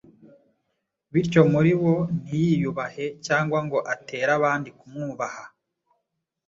bityo muri wo ntiyiyubahe cyangwa ngo atere abandi kumwubaha.